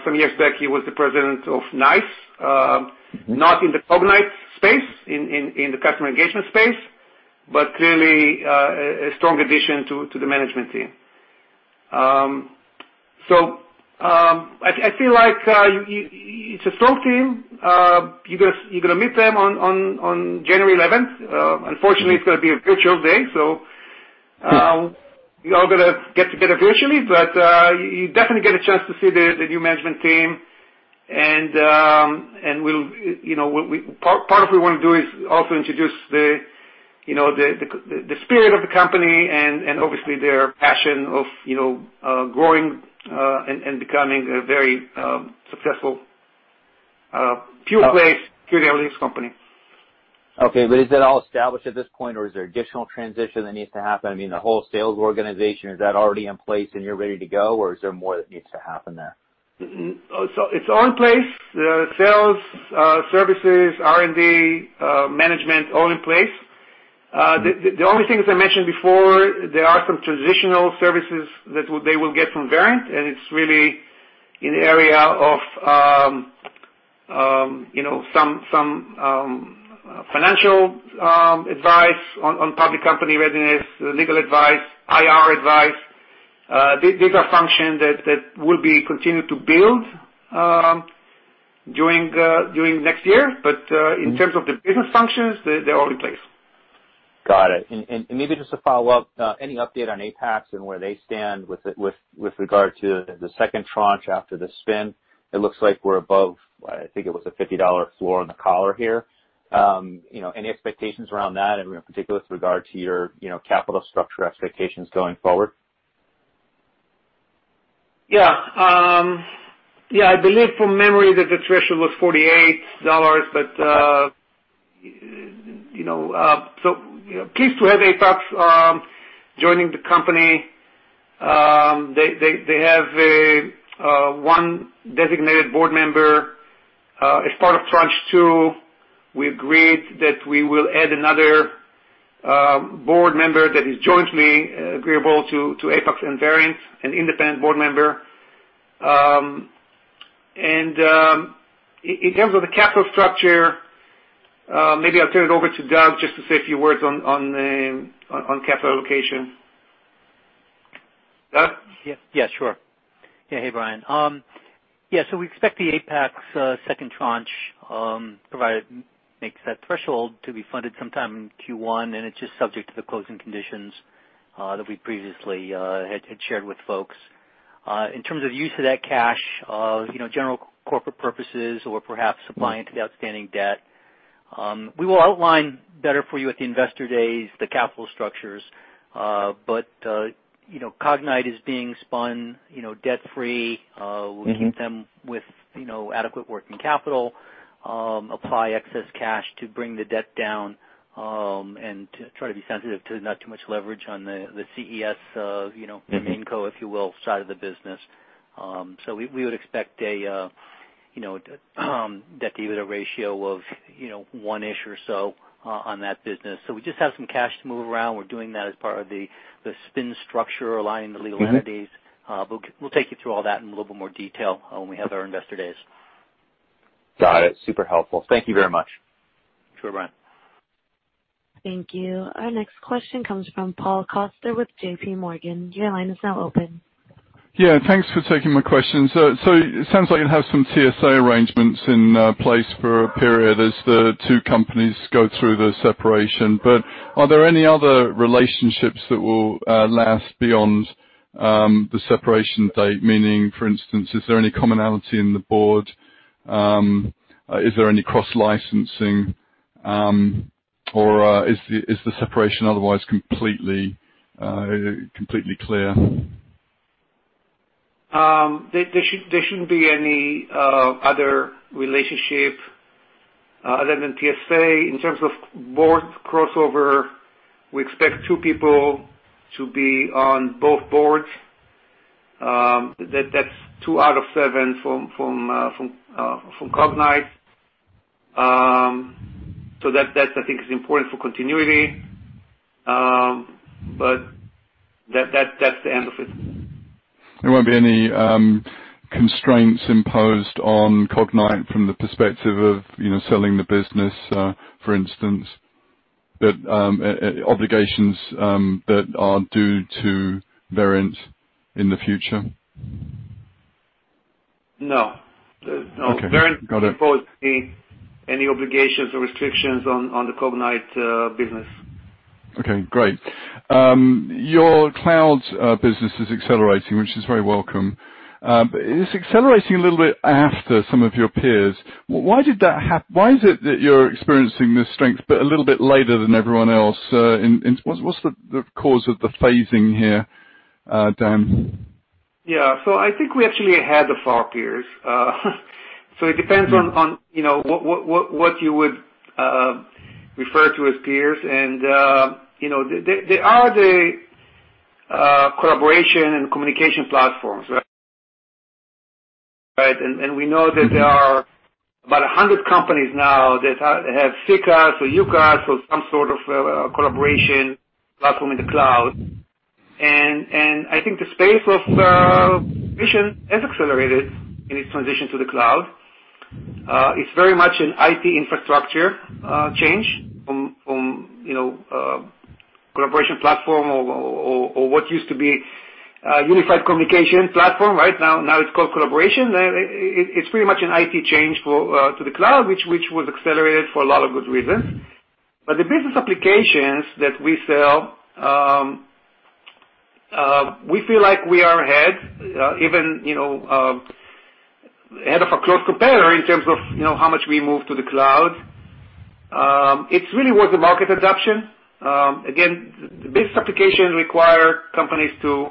[SPEAKER 2] some years back, he was the president of NiCE, not in the Cognyte space, in the customer engagement space, but clearly a strong addition to the management team. So, I feel like it's a strong team. You're going to meet them on January 11th. Unfortunately, it's going to be a virtual day, so we are going to get together virtually, but you definitely get a chance to see the new management team. And part of what we want to do is also introduce the spirit of the company and obviously their passion of growing and becoming a very successful, pure-play security analytics company.
[SPEAKER 7] Okay, but is that all established at this point, or is there additional transition that needs to happen? I mean, the whole sales organization, is that already in place and you're ready to go, or is there more that needs to happen there?
[SPEAKER 2] It's all in place. Sales, services, R&D, management, all in place. The only thing, as I mentioned before, there are some transitional services that they will get from Verint, and it's really in the area of some financial advice on public company readiness, legal advice, IR advice. These are functions that will be continued to build during next year, but in terms of the business functions, they're all in place.
[SPEAKER 7] Got it. And maybe just to follow up, any update on Apax and where they stand with regard to the second tranche after the spin? It looks like we're above, I think it was a $50 floor on the collar here. Any expectations around that, in particular with regard to your capital structure expectations going forward?
[SPEAKER 2] Yeah. Yeah. I believe from memory that the threshold was $48, but so pleased to have Apax joining the company. They have one designated board member as part of tranche two. We agreed that we will add another board member that is jointly agreeable to Apax and Verint, an independent board member. And in terms of the capital structure, maybe I'll turn it over to Doug just to say a few words on capital allocation. Doug?
[SPEAKER 3] Yeah. Sure. Yeah. Hey, Brian. Yeah. So, we expect the Apax's second tranche provided it makes that threshold to be funded sometime in Q1, and it's just subject to the closing conditions that we previously had shared with folks. In terms of use of that cash, general corporate purposes or perhaps supplying to the outstanding debt, we will outline better for you at the investor days the capital structures, but Cognyte is being spun debt-free. We'll keep them with adequate working capital, apply excess cash to bring the debt down, and try to be sensitive to not too much leverage on the CES, the main co, if you will, side of the business. So, we would expect a debt-to-EBITDA ratio of one-ish or so on that business. So, we just have some cash to move around. We're doing that as part of the spin structure aligning the legal entities. We'll take you through all that in a little bit more detail when we have our investor days.
[SPEAKER 7] Got it. Super helpful. Thank you very much.
[SPEAKER 6] Sure, Brian.
[SPEAKER 1] Thank you. Our next question comes from Paul Coster with JPMorgan. Your line is now open.
[SPEAKER 8] Yeah. Thanks for taking my question. So, it sounds like you'll have some TSA arrangements in place for a period as the two companies go through the separation, but are there any other relationships that will last beyond the separation date? Meaning, for instance, is there any commonality in the board? Is there any cross-licensing, or is the separation otherwise completely clear?
[SPEAKER 2] There shouldn't be any other relationship other than TSA. In terms of board crossover, we expect two people to be on both boards. That's two out of seven from Cognyte. So, that, I think, is important for continuity, but that's the end of it.
[SPEAKER 8] There won't be any constraints imposed on Cognyte from the perspective of selling the business, for instance, obligations that are due to Verint in the future?
[SPEAKER 2] No.
[SPEAKER 8] Okay. Got it.
[SPEAKER 2] Verint won't impose any obligations or restrictions on the Cognyte business.
[SPEAKER 8] Okay. Great. Your cloud business is accelerating, which is very welcome. It's accelerating a little bit after some of your peers. Why did that happen? Why is it that you're experiencing this strength, but a little bit later than everyone else? What's the cause of the phasing here, Dan?
[SPEAKER 2] Yeah. So, I think we actually had a fall of peers. So, it depends on what you would refer to as peers. And there are the collaboration and communication platforms, right? And we know that there are about 100 companies now that have CCaaS or UCaaS or some sort of collaboration platform in the cloud. And I think the space of vision has accelerated in its transition to the cloud. It's very much an IT infrastructure change from collaboration platform or what used to be a unified communication platform, right? Now it's called collaboration. It's pretty much an IT change to the cloud, which was accelerated for a lot of good reasons. But the business applications that we sell, we feel like we are ahead, even ahead of our close competitor in terms of how much we move to the cloud. It's really worth the market adoption. Again, the business applications require companies to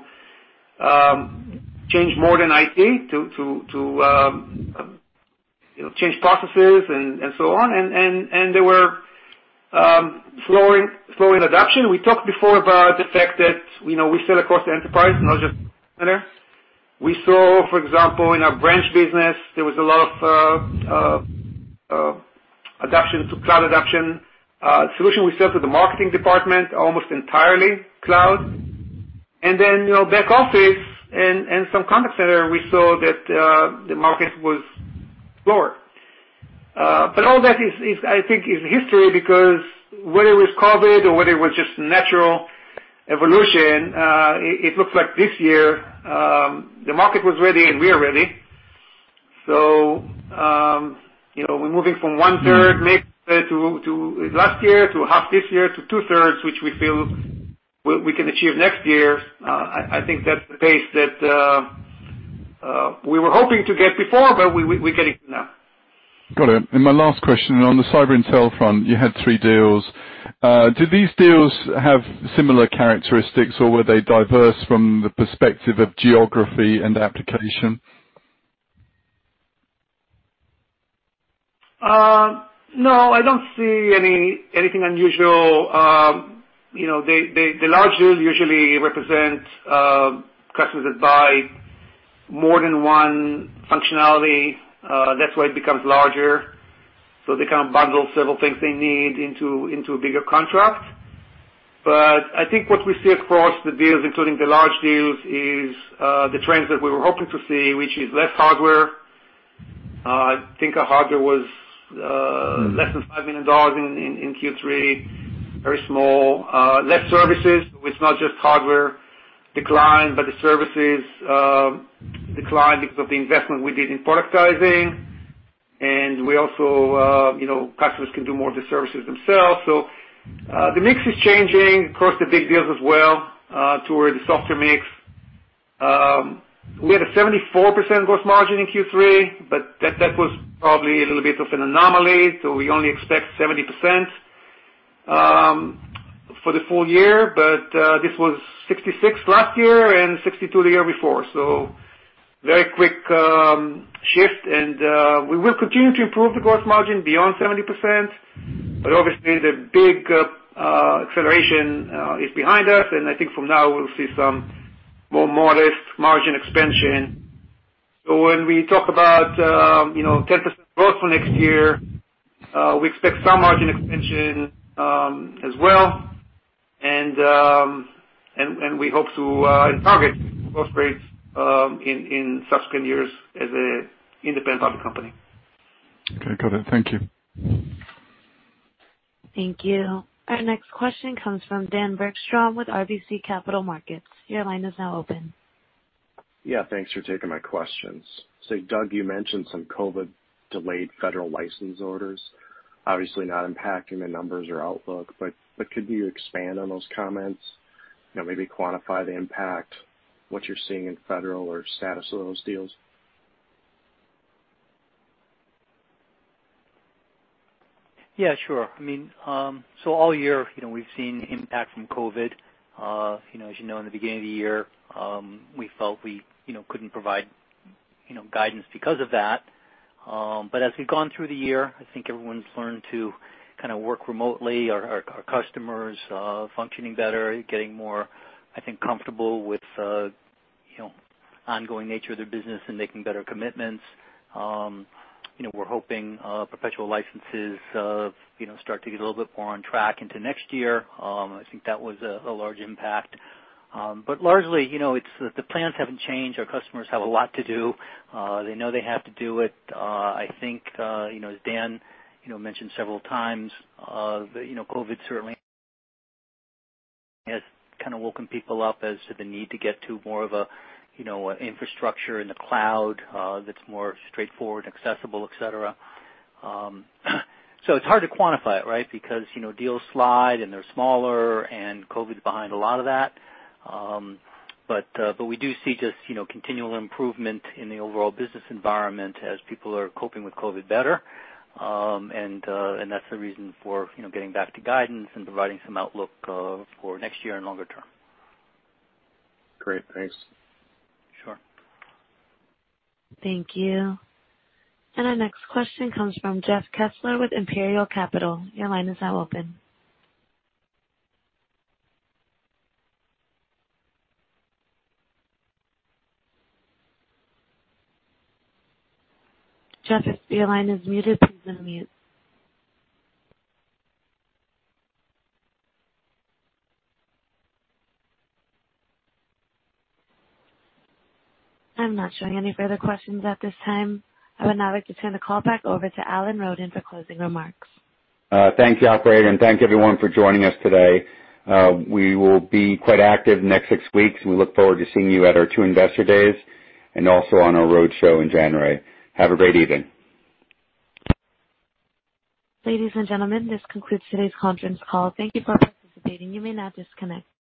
[SPEAKER 2] change more than IT, to change processes and so on. And they were slow in adoption. We talked before about the fact that we sell across the enterprise, not just one vendor. We saw, for example, in our branch business, there was a lot of adoption to cloud adoption. The solution we sell to the marketing department, almost entirely cloud. And then back office and some contact center, we saw that the market was slower. But all that, I think, is history because whether it was COVID or whether it was just natural evolution, it looks like this year the market was ready and we are ready. So, we're moving from 1/3 to last year to half this year to 2/3, which we feel we can achieve next year. I think that's the pace that we were hoping to get before, but we're getting to now.
[SPEAKER 8] Got it and my last question on the cyber and sales front, you had three deals. Do these deals have similar characteristics, or were they diverse from the perspective of geography and application?
[SPEAKER 2] No. I don't see anything unusual. The large deals usually represent customers that buy more than one functionality. That's why it becomes larger. So, they kind of bundle several things they need into a bigger contract. But I think what we see across the deals, including the large deals, is the trends that we were hoping to see, which is less hardware. I think our hardware was less than $5 million in Q3, very small. Less services. It's not just hardware decline, but the services decline because of the investment we did in productizing. And we also, customers can do more of the services themselves. So, the mix is changing across the big deals as well toward the software mix. We had a 74% gross margin in Q3, but that was probably a little bit of an anomaly. So, we only expect 70% for the full year, but this was 66% last year and 62% the year before. So, very quick shift. And we will continue to improve the gross margin beyond 70%, but obviously, the big acceleration is behind us. And I think from now, we'll see some more modest margin expansion. So, when we talk about 10% growth for next year, we expect some margin expansion as well. And we hope to target growth rates in subsequent years as an independent public company.
[SPEAKER 8] Okay. Got it. Thank you.
[SPEAKER 1] Thank you. Our next question comes from Dan Bergstrom with RBC Capital Markets. Your line is now open.
[SPEAKER 9] Yeah. Thanks for taking my questions. So, Doug, you mentioned some COVID-delayed federal license orders. Obviously, not impacting the numbers or outlook, but could you expand on those comments? Maybe quantify the impact, what you're seeing in federal or status of those deals?
[SPEAKER 3] Yeah. Sure. I mean, so all year, we've seen impact from COVID. As you know, in the beginning of the year, we felt we couldn't provide guidance because of that. But as we've gone through the year, I think everyone's learned to kind of work remotely, our customers functioning better, getting more, I think, comfortable with the ongoing nature of their business and making better commitments. We're hoping perpetual licenses start to get a little bit more on track into next year. I think that was a large impact. But largely, the plans haven't changed. Our customers have a lot to do. They know they have to do it. I think, as Dan mentioned several times, COVID certainly has kind of woken people up as to the need to get to more of an infrastructure in the cloud that's more straightforward and accessible, etc. So, it's hard to quantify it, right, because deals slide and they're smaller, and COVID's behind a lot of that. But we do see just continual improvement in the overall business environment as people are coping with COVID better. And that's the reason for getting back to guidance and providing some outlook for next year and longer term.
[SPEAKER 9] Great. Thanks.
[SPEAKER 6] Sure.
[SPEAKER 1] Thank you. And our next question comes from Jeff Kessler with Imperial Capital. Your line is now open. Jeff, if your line is muted, please unmute. I'm not showing any further questions at this time. I would now like to turn the call back over to Alan Roden for closing remarks.
[SPEAKER 10] Thank you, Alfred. And thank everyone for joining us today. We will be quite active in the next six weeks. We look forward to seeing you at our two investor days and also on our road show in January. Have a great evening.
[SPEAKER 1] Ladies and gentlemen, this concludes today's conference call. Thank you for participating. You may now disconnect.